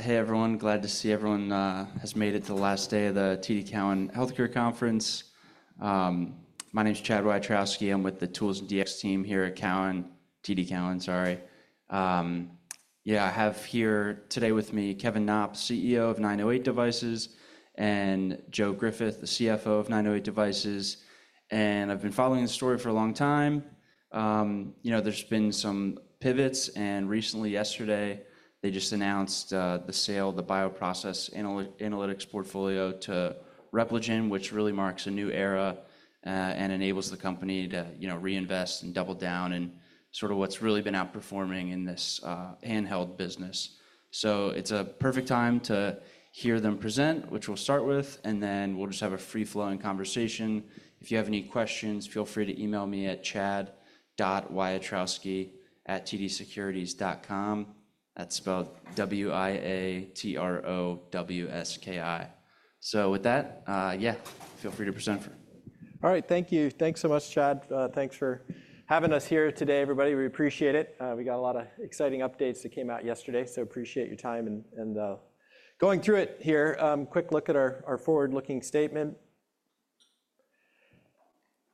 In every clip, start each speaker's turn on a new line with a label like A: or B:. A: Hey, everyone. Glad to see everyone has made it to the last day of the TD Cowen Healthcare Conference. My name is Chad Wiatrowski. I'm with the Tools and DX team here at TD Cowen. Sorry. Yeah, I have here today with me, Kevin Knopp, CEO of 908 Devices, and Joe Griffith, the CFO of 908 Devices. And I've been following the story for a long time. You know, there's been some pivots, and recently, yesterday, they just announced the sale of the bioprocess analytics portfolio to Repligen, which really marks a new era and enables the company to reinvest and double down in sort of what's really been outperforming in this handheld business. It is a perfect time to hear them present, which we'll start with, and then we'll just have a free-flowing conversation. If you have any questions, feel free to email me at chad.wiatrowski@tdsecuritys.com. That's spelled W-I-A-T-R-O-W-S-K-I. With that, yeah, feel free to present.
B: All right, thank you. Thanks so much, Chad. Thanks for having us here today, everybody. We appreciate it. We got a lot of exciting updates that came out yesterday, so appreciate your time and going through it here. Quick look at our forward-looking statement.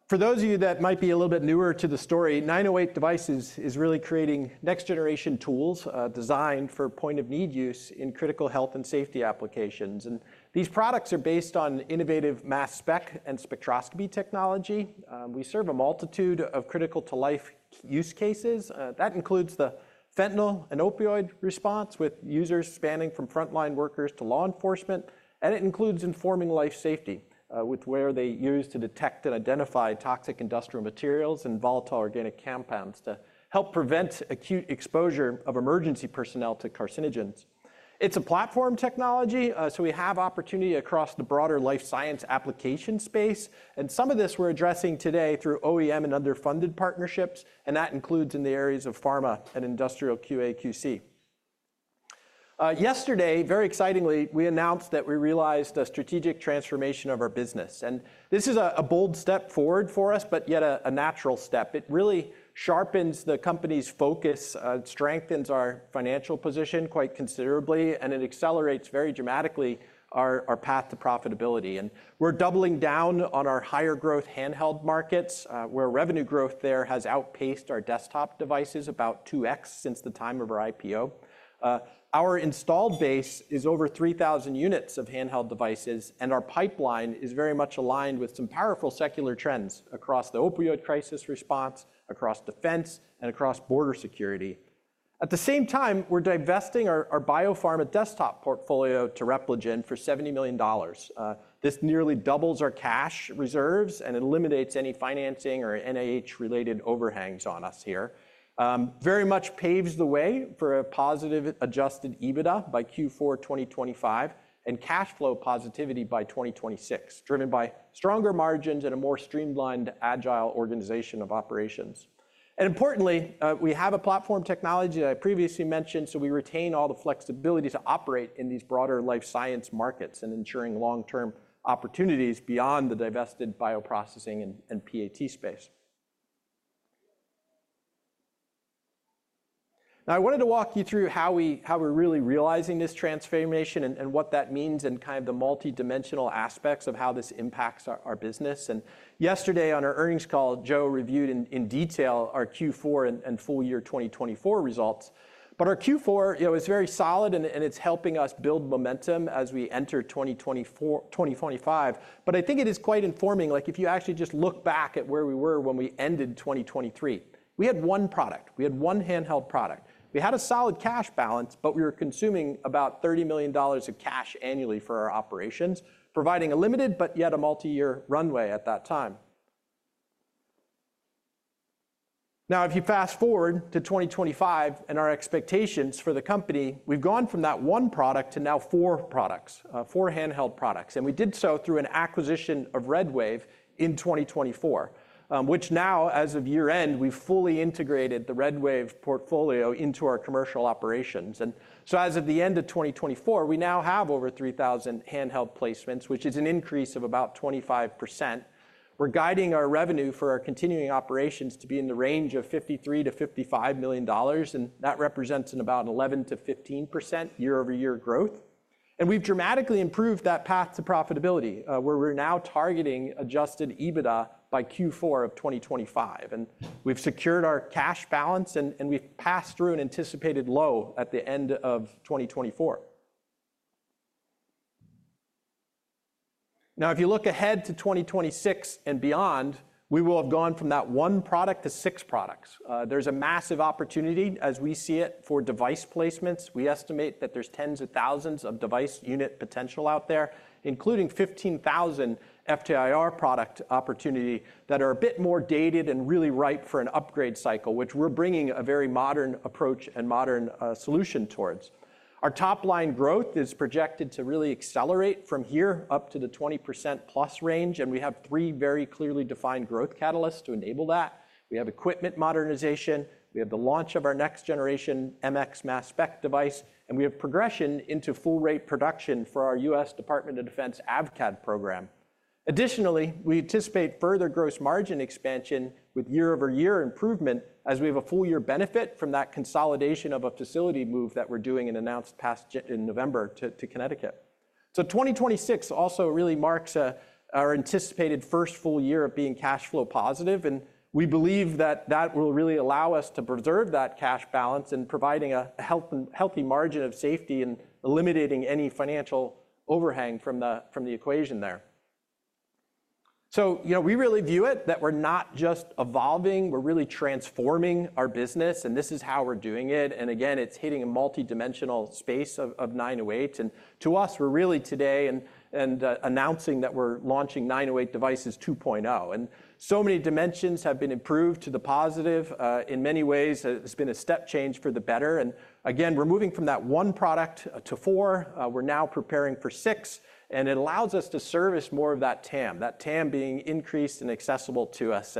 B: For those of you that might be a little bit newer to the story, 908 Devices is really creating next-generation tools designed for point-of-need use in critical health and safety applications. These products are based on innovative mass spec and spectroscopy technology. We serve a multitude of critical-to-life use cases. That includes the fentanyl and opioid response, with users spanning from frontline workers to law enforcement. It includes informing life safety, with where they use to detect and identify toxic industrial materials and volatile organic compounds to help prevent acute exposure of emergency personnel to carcinogens. It's a platform technology, so we have opportunity across the broader life science application space. Some of this we're addressing today through OEM and other funded partnerships, and that includes in the areas of pharma and industrial QA/QC. Yesterday, very excitingly, we announced that we realized a strategic transformation of our business. This is a bold step forward for us, yet a natural step. It really sharpens the company's focus and strengthens our financial position quite considerably, and it accelerates very dramatically our path to profitability. We're doubling down on our higher growth handheld markets, where revenue growth there has outpaced our desktop devices about 2x since the time of our IPO. Our installed base is over 3,000 units of handheld devices, and our pipeline is very much aligned with some powerful secular trends across the opioid crisis response, across defense, and across border security. At the same time, we're divesting our biopharma desktop portfolio to Repligen for $70 million. This nearly doubles our cash reserves and eliminates any financing or NIH-related overhangs on us here. It very much paves the way for a positive adjusted EBITDA by Q4 2025 and cash flow positivity by 2026, driven by stronger margins and a more streamlined, agile organization of operations. Importantly, we have a platform technology that I previously mentioned, so we retain all the flexibility to operate in these broader life science markets and ensuring long-term opportunities beyond the divested bioprocessing and PAT space. Now, I wanted to walk you through how we're really realizing this transformation and what that means and kind of the multidimensional aspects of how this impacts our business. Yesterday, on our earnings call, Joe reviewed in detail our Q4 and full year 2024 results. Our Q4 is very solid, and it's helping us build momentum as we enter 2025. I think it is quite informing, like if you actually just look back at where we were when we ended 2023. We had one product. We had one handheld product. We had a solid cash balance, but we were consuming about $30 million of cash annually for our operations, providing a limited but yet a multi-year runway at that time. Now, if you fast forward to 2025 and our expectations for the company, we've gone from that one product to now four products, four handheld products. We did so through an acquisition of RedWave in 2024, which now, as of year-end, we've fully integrated the RedWave portfolio into our commercial operations. As of the end of 2024, we now have over 3,000 handheld placements, which is an increase of about 25%. We are guiding our revenue for our continuing operations to be in the range of $53-$55 million, and that represents about 11-15% year-over-year growth. We have dramatically improved that path to profitability, where we are now targeting adjusted EBITDA by Q4 of 2025. We have secured our cash balance, and we have passed through an anticipated low at the end of 2024. If you look ahead to 2026 and beyond, we will have gone from that one product to six products. There is a massive opportunity, as we see it, for device placements. We estimate that there's tens of thousands of device unit potential out there, including 15,000 FTIR product opportunity that are a bit more dated and really ripe for an upgrade cycle, which we're bringing a very modern approach and modern solution towards. Our top-line growth is projected to really accelerate from here up to the 20%+ range, and we have three very clearly defined growth catalysts to enable that. We have equipment modernization. We have the launch of our next-generation MX mass spec device, and we have progression into full-rate production for our U.S. Department of Defense AVCAD program. Additionally, we anticipate further gross margin expansion with year-over-year improvement as we have a full-year benefit from that consolidation of a facility move that we're doing and announced in November to Connecticut. 2026 also really marks our anticipated first full year of being cash flow positive, and we believe that that will really allow us to preserve that cash balance and provide a healthy margin of safety and eliminating any financial overhang from the equation there. We really view it that we're not just evolving. We're really transforming our business, and this is how we're doing it. Again, it's hitting a multidimensional space of 908. To us, we're really today announcing that we're launching 908 Devices 2.0. So many dimensions have been improved to the positive. In many ways, it's been a step change for the better. Again, we're moving from that one product to four. We're now preparing for six, and it allows us to service more of that TAM, that TAM being increased and accessible to us.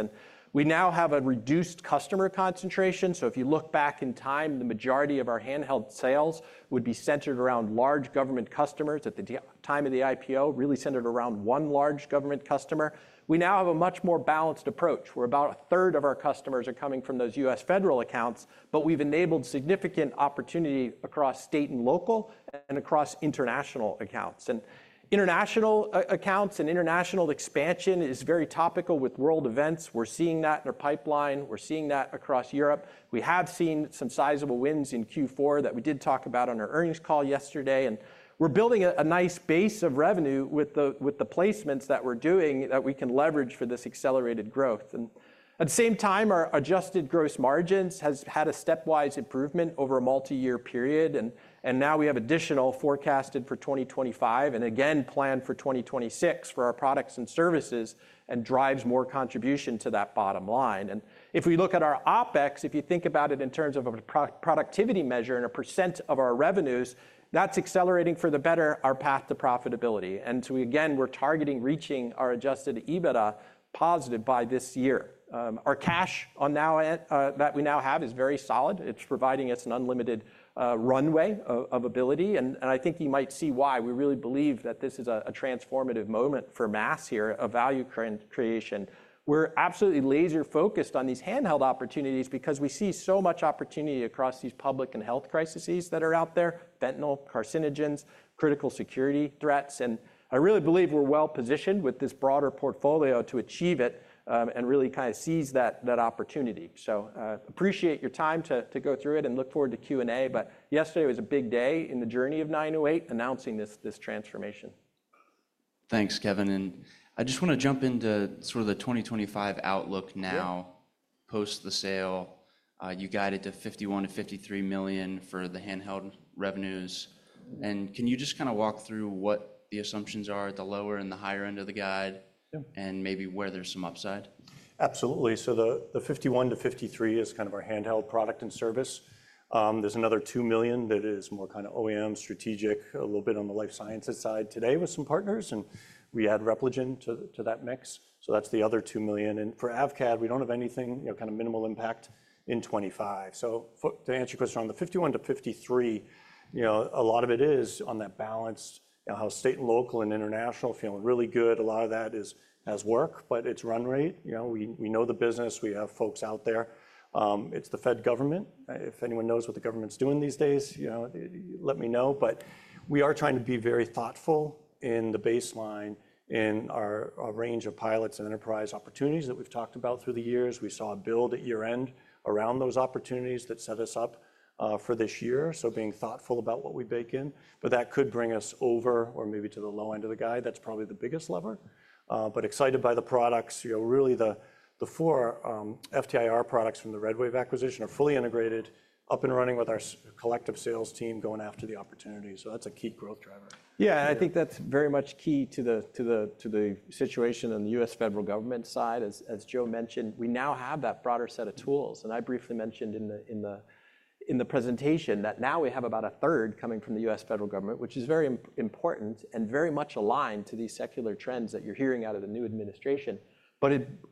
B: We now have a reduced customer concentration. If you look back in time, the majority of our handheld sales would be centered around large government customers at the time of the IPO, really centered around one large government customer. We now have a much more balanced approach. About a third of our customers are coming from those U.S. federal accounts, but we have enabled significant opportunity across state and local and across international accounts. International accounts and international expansion is very topical with world events. We are seeing that in our pipeline. We are seeing that across Europe. We have seen some sizable wins in Q4 that we did talk about on our earnings call yesterday. We are building a nice base of revenue with the placements that we are doing that we can leverage for this accelerated growth. At the same time, our adjusted gross margins have had a stepwise improvement over a multi-year period. Now we have additional forecasted for 2025 and again planned for 2026 for our products and services and drives more contribution to that bottom line. If we look at our OpEx, if you think about it in terms of a productivity measure and a percent of our revenues, that's accelerating for the better our path to profitability. Again, we're targeting reaching our adjusted EBITDA positive by this year. Our cash that we now have is very solid. It's providing us an unlimited runway of ability. I think you might see why. We really believe that this is a transformative moment for mass here, a value creation. We're absolutely laser-focused on these handheld opportunities because we see so much opportunity across these public and health crises that are out there: fentanyl, carcinogens, critical security threats. I really believe we're well-positioned with this broader portfolio to achieve it and really kind of seize that opportunity. I appreciate your time to go through it and look forward to Q&A. Yesterday was a big day in the journey of 908 announcing this transformation.
A: Thanks, Kevin. I just want to jump into sort of the 2025 outlook now post the sale. You guided to $51 million-$53 million for the handheld revenues. Can you just kind of walk through what the assumptions are at the lower and the higher end of the guide and maybe where there's some upside?
C: Absolutely. The 51-53 is kind of our handheld product and service. There is another $2 million that is more kind of OEM, strategic, a little bit on the life sciences side today with some partners. We add Repligen to that mix. That is the other $2 million. For AVCAD, we do not have anything, kind of minimal impact in 2025. To answer your question on the 51-53, a lot of it is on that balance, how state and local and international feeling really good. A lot of that is work, but it is run rate. We know the business. We have folks out there. It is the Fed government. If anyone knows what the government is doing these days, let me know. We are trying to be very thoughtful in the baseline in our range of pilots and enterprise opportunities that we've talked about through the years. We saw a build at year-end around those opportunities that set us up for this year. Being thoughtful about what we bake in, that could bring us over or maybe to the low end of the guide. That's probably the biggest lever. Excited by the products. Really, the four FTIR products from the RedWave acquisition are fully integrated, up and running with our collective sales team going after the opportunity. That's a key growth driver. Yeah, and I think that's very much key to the situation on the U.S. federal government side. As Joe mentioned, we now have that broader set of tools. I briefly mentioned in the presentation that now we have about a third coming from the U.S. federal government, which is very important and very much aligned to these secular trends that you're hearing out of the new administration.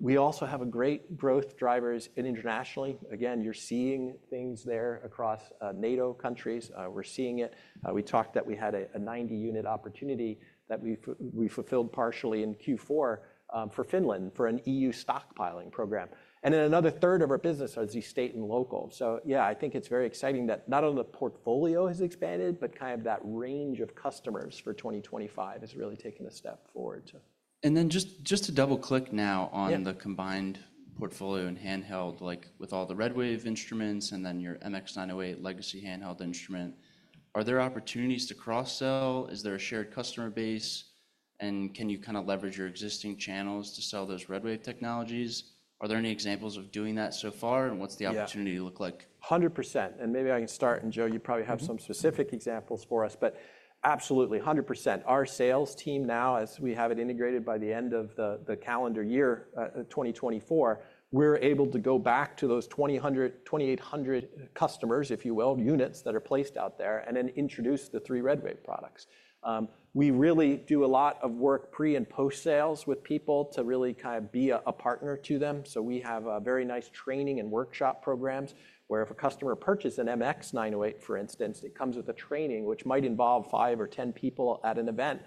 C: We also have great growth drivers internationally. Again, you're seeing things there across NATO countries. We're seeing it. We talked that we had a 90-unit opportunity that we fulfilled partially in Q4 for Finland for an EU stockpiling program. Another third of our business is the state and local. Yeah, I think it's very exciting that not only the portfolio has expanded, but kind of that range of customers for 2025 has really taken a step forward.
A: Just to double-click now on the combined portfolio and handheld, like with all the RedWave instruments and then your MX908 legacy handheld instrument, are there opportunities to cross-sell? Is there a shared customer base? And can you kind of leverage your existing channels to sell those RedWave technologies? Are there any examples of doing that so far? What does the opportunity look like?
B: 100%. Maybe I can start, and Joe, you probably have some specific examples for us, but absolutely 100%. Our sales team now, as we have it integrated by the end of the calendar year 2024, we're able to go back to those 2,800 customers, if you will, units that are placed out there and then introduce the three RedWave products. We really do a lot of work pre and post-sales with people to really kind of be a partner to them. We have very nice training and workshop programs where if a customer purchases an MX908, for instance, it comes with a training, which might involve five or ten people at an event,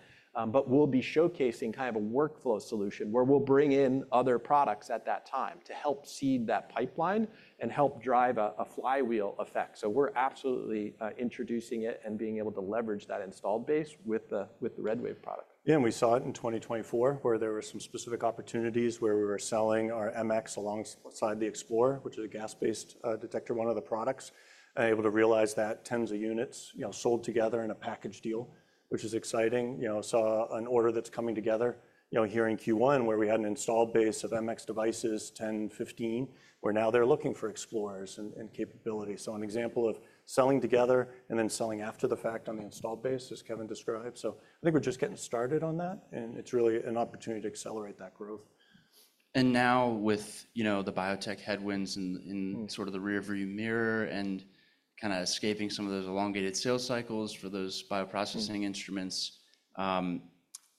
B: but we'll be showcasing kind of a workflow solution where we'll bring in other products at that time to help seed that pipeline and help drive a flywheel effect. We're absolutely introducing it and being able to leverage that installed base with the RedWave product.
C: Yeah. We saw it in 2024 where there were some specific opportunities where we were selling our MX alongside the Explorer, which is a gas-based detector, one of the products, able to realize that tens of units sold together in a package deal, which is exciting. Saw an order that's coming together here in Q1 where we had an installed base of MX devices, 10, 15, where now they're looking for Explorers and capability. An example of selling together and then selling after the fact on the installed base as Kevin described. I think we're just getting started on that, and it's really an opportunity to accelerate that growth.
A: Now with the biotech headwinds in sort of the rearview mirror and kind of escaping some of those elongated sales cycles for those bioprocessing instruments,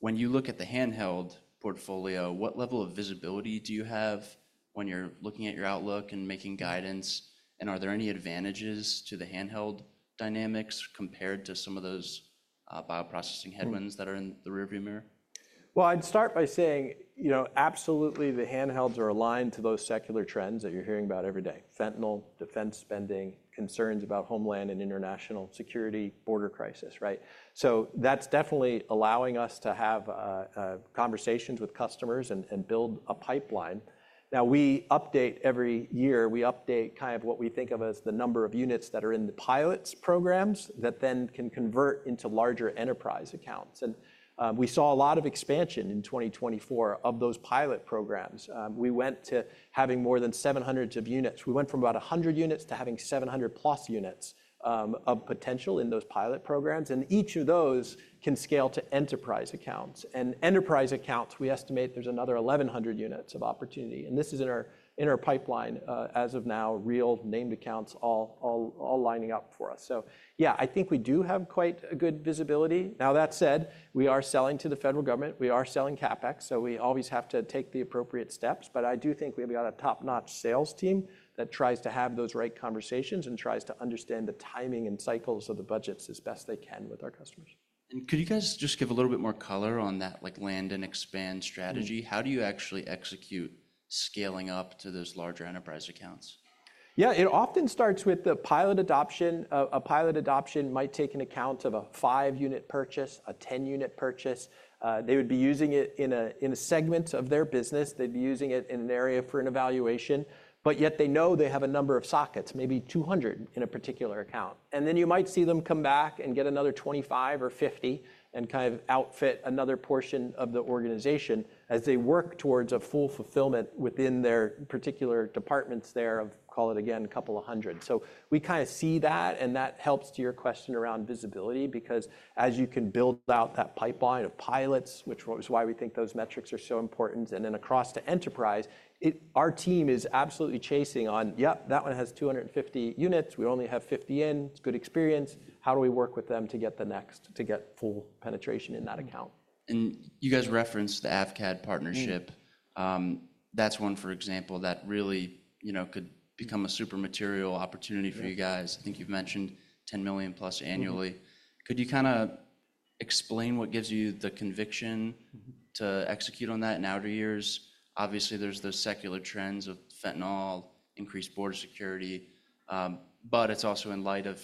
A: when you look at the handheld portfolio, what level of visibility do you have when you're looking at your outlook and making guidance? Are there any advantages to the handheld dynamics compared to some of those bioprocessing headwinds that are in the rearview mirror?
B: I'd start by saying absolutely the handhelds are aligned to those secular trends that you're hearing about every day: fentanyl, defense spending, concerns about homeland and international security, border crisis. That's definitely allowing us to have conversations with customers and build a pipeline. Now, we update every year. We update kind of what we think of as the number of units that are in the pilots programs that then can convert into larger enterprise accounts. We saw a lot of expansion in 2024 of those pilot programs. We went to having more than 700 units. We went from about 100 units to having 700 plus units of potential in those pilot programs. Each of those can scale to enterprise accounts. Enterprise accounts, we estimate there's another 1,100 units of opportunity. This is in our pipeline as of now, real named accounts all lining up for us. Yeah, I think we do have quite a good visibility. That said, we are selling to the federal government. We are selling CapEx. We always have to take the appropriate steps. I do think we've got a top-notch sales team that tries to have those right conversations and tries to understand the timing and cycles of the budgets as best they can with our customers.
A: Could you guys just give a little bit more color on that land and expand strategy? How do you actually execute scaling up to those larger enterprise accounts?
B: Yeah, it often starts with the pilot adoption. A pilot adoption might take an account of a five-unit purchase, a ten-unit purchase. They would be using it in a segment of their business. They'd be using it in an area for an evaluation. Yet they know they have a number of sockets, maybe 200 in a particular account. You might see them come back and get another 25 or 50 and kind of outfit another portion of the organization as they work towards a full fulfillment within their particular departments there of, call it again, a couple of hundred. We kind of see that. That helps to your question around visibility because as you can build out that pipeline of pilots, which is why we think those metrics are so important. Across to enterprise, our team is absolutely chasing on, yep, that one has 250 units. We only have 50 in. It's good experience. How do we work with them to get the next to get full penetration in that account?
A: You guys referenced the AVCAD partnership. That's one, for example, that really could become a super material opportunity for you guys. I think you've mentioned $10 million plus annually. Could you kind of explain what gives you the conviction to execute on that in outer years? Obviously, there's those secular trends of fentanyl, increased border security, but it's also in light of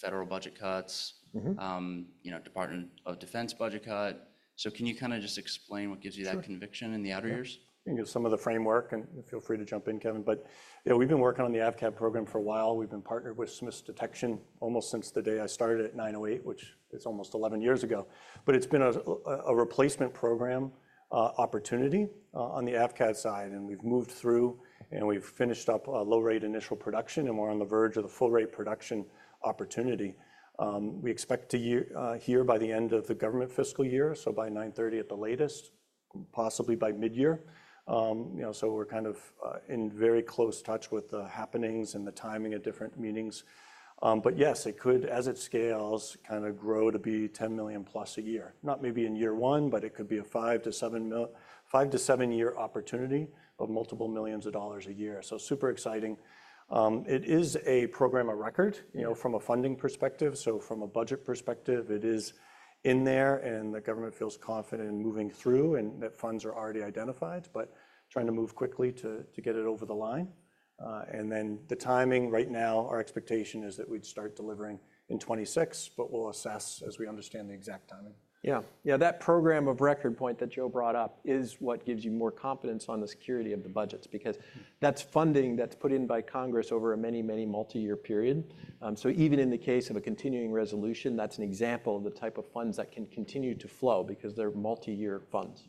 A: federal budget cuts, Department of Defense budget cut. Could you kind of just explain what gives you that conviction in the outer years?
C: I think it's some of the framework, and feel free to jump in, Kevin. But yeah, we've been working on the AVCAD program for a while. We've been partnered with Smith's Detection almost since the day I started at 908, which is almost 11 years ago. But it's been a replacement program opportunity on the AVCAD side. And we've moved through and we've finished up low-rate initial production, and we're on the verge of the full-rate production opportunity. We expect to hear by the end of the government fiscal year, so by 9/30 at the latest, possibly by mid-year. So we're kind of in very close touch with the happenings and the timing of different meetings. But yes, it could, as it scales, kind of grow to be $10 million plus a year. Not maybe in year one, but it could be a five- to seven-year opportunity of multiple millions of dollars a year. Super exciting. It is a program of record from a funding perspective. From a budget perspective, it is in there and the government feels confident in moving through and that funds are already identified, but trying to move quickly to get it over the line. The timing right now, our expectation is that we'd start delivering in 2026, but we'll assess as we understand the exact timing.
B: Yeah, yeah, that program of record point that Joe brought up is what gives you more confidence on the security of the budgets because that's funding that's put in by Congress over a many, many multi-year period. Even in the case of a continuing resolution, that's an example of the type of funds that can continue to flow because they're multi-year funds.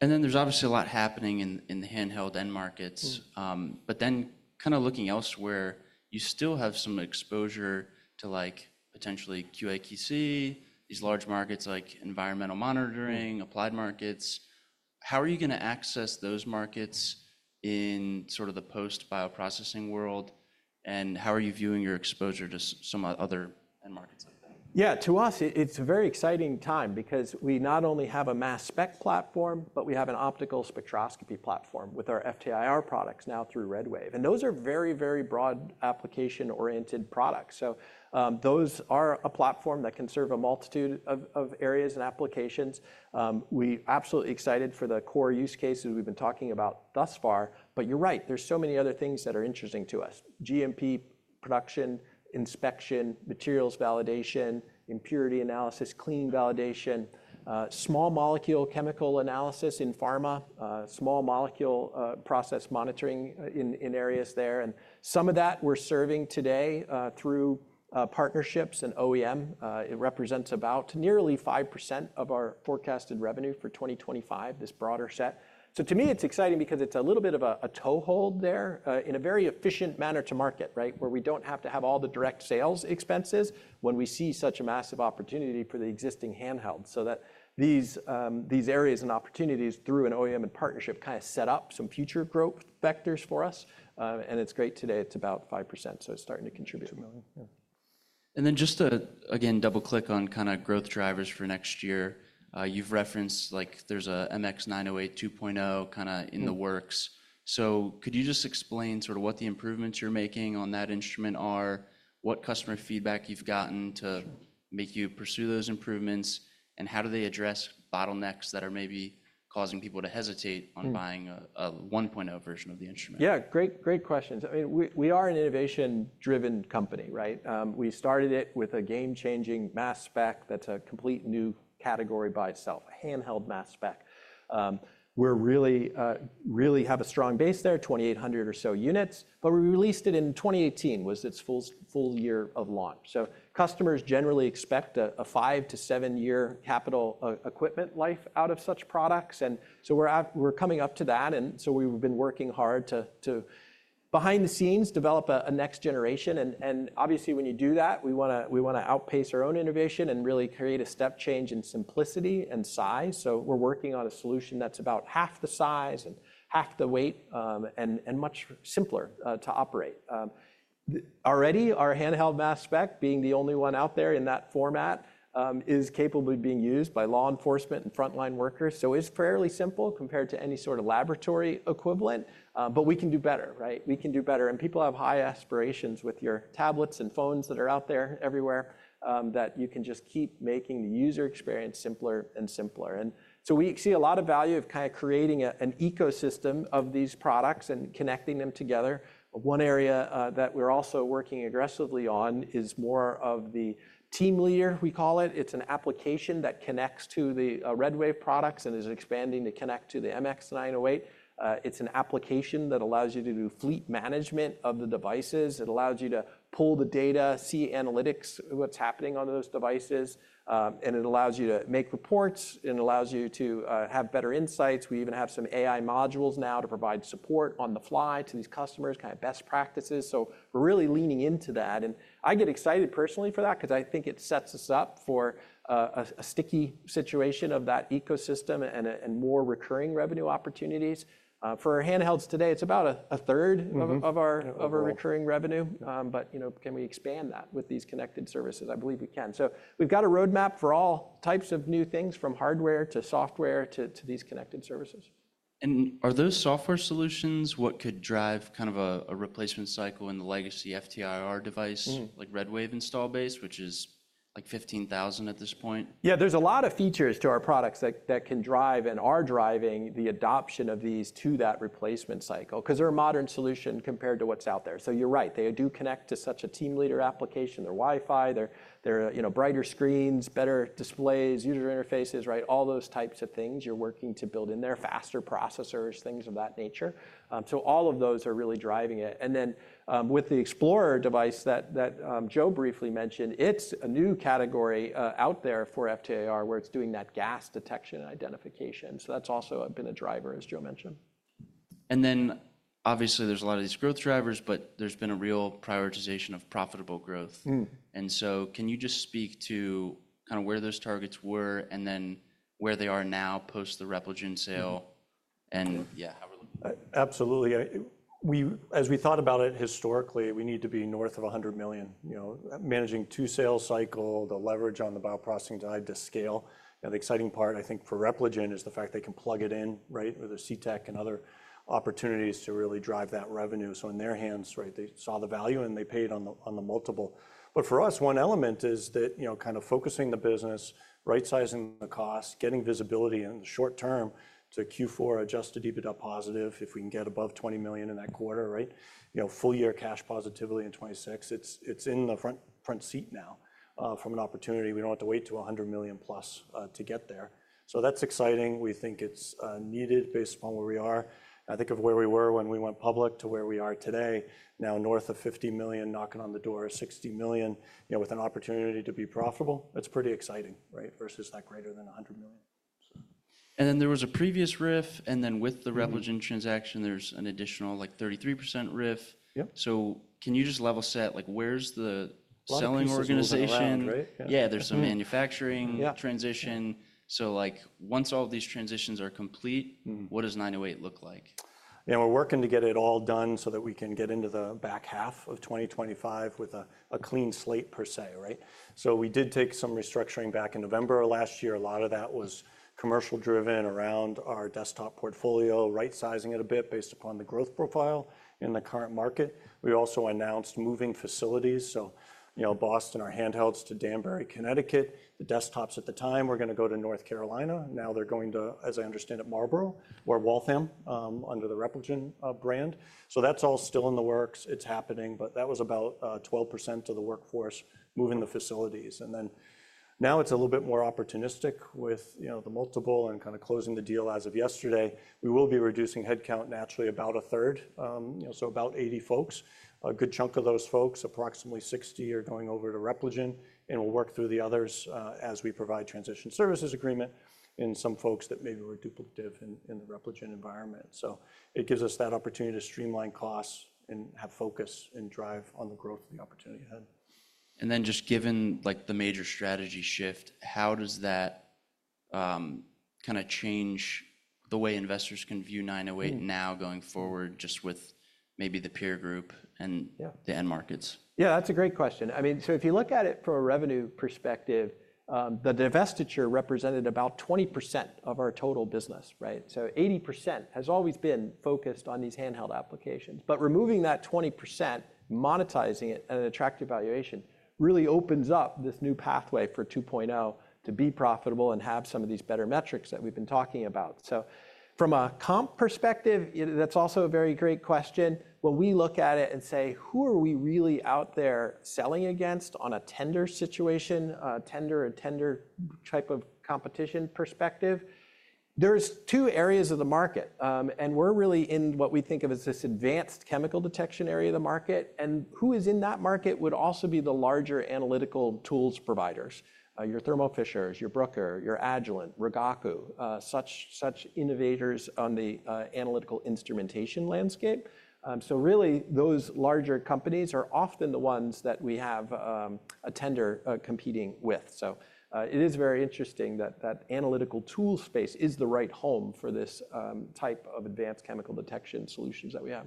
A: There is obviously a lot happening in the handheld end markets. Kind of looking elsewhere, you still have some exposure to potentially QA/QC, these large markets like environmental monitoring, applied markets. How are you going to access those markets in sort of the post-bioprocessing world? How are you viewing your exposure to some other end markets like that?
B: Yeah, to us, it's a very exciting time because we not only have a mass spec platform, but we have an optical spectroscopy platform with our FTIR products now through RedWave. Those are very, very broad application-oriented products. Those are a platform that can serve a multitude of areas and applications. We're absolutely excited for the core use cases we've been talking about thus far. You're right, there's so many other things that are interesting to us: GMP production, inspection, materials validation, impurity analysis, clean validation, small molecule chemical analysis in pharma, small molecule process monitoring in areas there. Some of that we're serving today through partnerships and OEM. It represents about nearly 5% of our forecasted revenue for 2025, this broader set. To me, it's exciting because it's a little bit of a toehold there in a very efficient manner to market, where we don't have to have all the direct sales expenses when we see such a massive opportunity for the existing handheld. These areas and opportunities through an OEM and partnership kind of set up some future growth vectors for us. It's great today. It's about 5%. It's starting to contribute.
A: Just to again double-click on kind of growth drivers for next year, you've referenced there's an MX908 2.0 kind of in the works. Could you just explain sort of what the improvements you're making on that instrument are, what customer feedback you've gotten to make you pursue those improvements, and how do they address bottlenecks that are maybe causing people to hesitate on buying a 1.0 version of the instrument?
C: Yeah, great questions. I mean, we are an innovation-driven company. We started it with a game-changing mass spec that's a complete new category by itself, a handheld mass spec. We really have a strong base there, 2,800 or so units. We released it in 2018, which was its full year of launch. Customers generally expect a five- to seven-year capital equipment life out of such products. We are coming up to that. We have been working hard behind the scenes to develop a next generation. Obviously, when you do that, we want to outpace our own innovation and really create a step change in simplicity and size. We are working on a solution that's about half the size and half the weight and much simpler to operate. Already, our handheld mass spec, being the only one out there in that format, is capably being used by law enforcement and frontline workers. It is fairly simple compared to any sort of laboratory equivalent. We can do better. We can do better. People have high aspirations with your tablets and phones that are out there everywhere that you can just keep making the user experience simpler and simpler. We see a lot of value of kind of creating an ecosystem of these products and connecting them together. One area that we're also working aggressively on is more of the team leader, we call it. It's an application that connects to the RedWave products and is expanding to connect to the MX908. It's an application that allows you to do fleet management of the devices. It allows you to pull the data, see analytics, what's happening on those devices. It allows you to make reports. It allows you to have better insights. We even have some AI modules now to provide support on the fly to these customers, kind of best practices. We are really leaning into that. I get excited personally for that because I think it sets us up for a sticky situation of that ecosystem and more recurring revenue opportunities. For our handhelds today, it's about a third of our recurring revenue. Can we expand that with these connected services? I believe we can. We have got a roadmap for all types of new things from hardware to software to these connected services.
A: Are those software solutions what could drive kind of a replacement cycle in the legacy FTIR device like RedWave install base, which is like 15,000 at this point?
C: Yeah, there's a lot of features to our products that can drive and are driving the adoption of these to that replacement cycle because they're a modern solution compared to what's out there. You're right. They do connect to such a team leader application. They're Wi-Fi. They're brighter screens, better displays, user interfaces, all those types of things you're working to build in there, faster processors, things of that nature. All of those are really driving it. With the Explorer device that Joe briefly mentioned, it's a new category out there for FTIR where it's doing that gas detection and identification. That's also been a driver, as Joe mentioned.
A: Obviously, there's a lot of these growth drivers, but there's been a real prioritization of profitable growth. Can you just speak to kind of where those targets were and then where they are now post the Repligen sale and how we're looking?
C: Absolutely. As we thought about it historically, we need to be north of $100 million, managing two sales cycles, the leverage on the bioprocessing side to scale. The exciting part, I think, for Repligen is the fact they can plug it in with their CTEC and other opportunities to really drive that revenue. In their hands, they saw the value and they paid on the multiple. For us, one element is that kind of focusing the business, right-sizing the cost, getting visibility in the short term to Q4 adjusted EBITDA positive if we can get above $20 million in that quarter, full year cash positively in 2026. It is in the front seat now from an opportunity. We do not have to wait to $100 million plus to get there. That is exciting. We think it is needed based upon where we are. I think of where we were when we went public to where we are today, now north of $50 million, knocking on the door of $60 million with an opportunity to be profitable. It's pretty exciting versus that greater than $100 million.
A: There was a previous RIF. With the Repligen transaction, there's an additional like 33% RIF. Can you just level set where's the selling organization? Yeah, there's some manufacturing transition. Once all of these transitions are complete, what does 908 look like?
C: Yeah, we're working to get it all done so that we can get into the back half of 2025 with a clean slate per se. We did take some restructuring back in November of last year. A lot of that was commercial-driven around our desktop portfolio, right-sizing it a bit based upon the growth profile in the current market. We also announced moving facilities. Boston, our handhelds to Danbury, Connecticut. The desktops at the time were going to go to North Carolina. Now they're going to, as I understand it, Marlborough or Waltham under the Repligen brand. That's all still in the works. It's happening. That was about 12% of the workforce moving the facilities. Now it's a little bit more opportunistic with the multiple and kind of closing the deal as of yesterday. We will be reducing headcount naturally about a third, so about 80 folks. A good chunk of those folks, approximately 60, are going over to Repligen. We will work through the others as we provide transition services agreement in some folks that maybe were duplicative in the Repligen environment. It gives us that opportunity to streamline costs and have focus and drive on the growth of the opportunity ahead.
A: Just given the major strategy shift, how does that kind of change the way investors can view 908 now going forward just with maybe the peer group and the end markets?
B: Yeah, that's a great question. I mean, if you look at it from a revenue perspective, the divestiture represented about 20% of our total business. 80% has always been focused on these handheld applications. Removing that 20%, monetizing it at an attractive valuation really opens up this new pathway for 2.0 to be profitable and have some of these better metrics that we've been talking about. From a comp perspective, that's also a very great question. When we look at it and say, who are we really out there selling against on a tender situation, tender or tender type of competition perspective? There are two areas of the market. We're really in what we think of as this advanced chemical detection area of the market. Who is in that market would also be the larger analytical tools providers, your Thermo Fishers, your Bruker, your Agilent, Rigaku, such innovators on the analytical instrumentation landscape. Really, those larger companies are often the ones that we have a tender competing with. It is very interesting that that analytical tool space is the right home for this type of advanced chemical detection solutions that we have.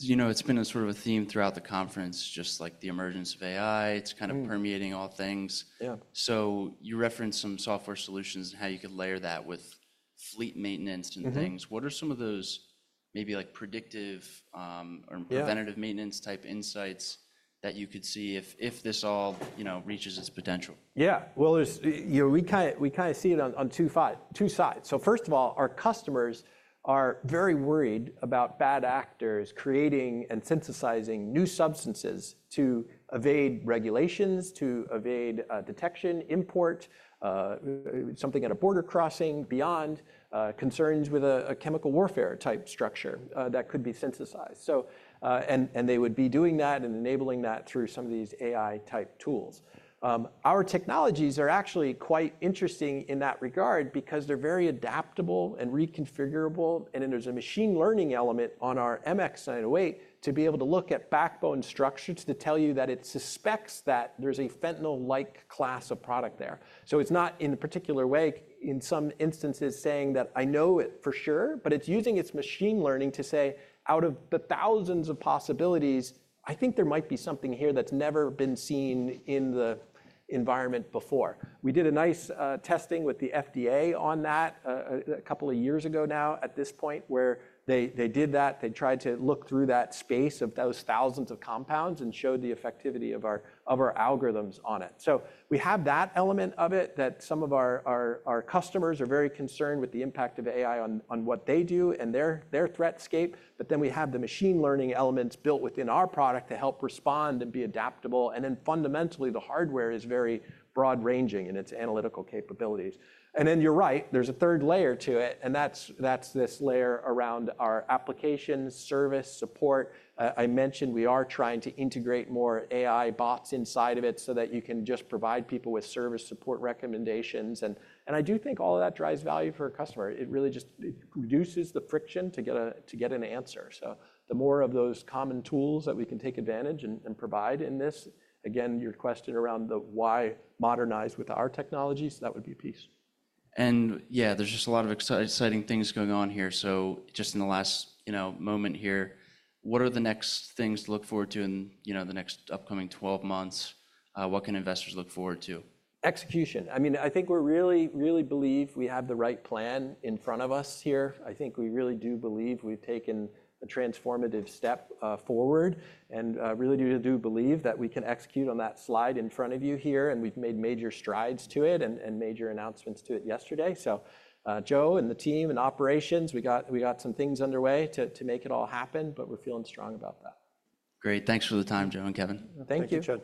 A: It's been a sort of a theme throughout the conference, just like the emergence of AI. It's kind of permeating all things. You referenced some software solutions and how you could layer that with fleet maintenance and things. What are some of those maybe predictive or preventative maintenance type insights that you could see if this all reaches its potential?
B: Yeah, we kind of see it on two sides. First of all, our customers are very worried about bad actors creating and synthesizing new substances to evade regulations, to evade detection, import something at a border crossing, beyond concerns with a chemical warfare type structure that could be synthesized. They would be doing that and enabling that through some of these AI type tools. Our technologies are actually quite interesting in that regard because they're very adaptable and reconfigurable. There is a machine learning element on our MX908 to be able to look at backbone structures to tell you that it suspects that there's a fentanyl-like class of product there. It's not in a particular way, in some instances, saying that I know it for sure. It is using its machine learning to say, out of the thousands of possibilities, I think there might be something here that has never been seen in the environment before. We did a nice testing with the FDA on that a couple of years ago now at this point where they did that. They tried to look through that space of those thousands of compounds and showed the effectivity of our algorithms on it. We have that element of it that some of our customers are very concerned with the impact of AI on what they do and their threat scape. We have the machine learning elements built within our product to help respond and be adaptable. Fundamentally, the hardware is very broad-ranging in its analytical capabilities. You are right, there is a third layer to it. That is this layer around our applications, service, support. I mentioned we are trying to integrate more AI bots inside of it so that you can just provide people with service support recommendations. I do think all of that drives value for a customer. It really just reduces the friction to get an answer. The more of those common tools that we can take advantage and provide in this, again, your question around the why modernize with our technologies, that would be a piece.
A: Yeah, there's just a lot of exciting things going on here. Just in the last moment here, what are the next things to look forward to in the next upcoming 12 months? What can investors look forward to?
B: Execution. I mean, I think we really, really believe we have the right plan in front of us here. I think we really do believe we've taken a transformative step forward and really do believe that we can execute on that slide in front of you here. We've made major strides to it and major announcements to it yesterday. Joe and the team and operations, we got some things underway to make it all happen. We're feeling strong about that.
A: Great. Thanks for the time, Joe and Kevin.
C: Thank you.